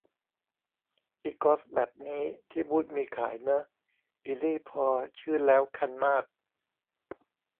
อิกอซแบบนี้ ที่บูตส์มีขายเนอะ อินี่พอชื้นแล้วคันมาก